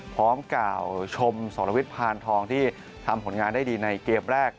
พร้อมกล่าวชมสรวิทย์พานทองที่ทำผลงานได้ดีในเกมแรก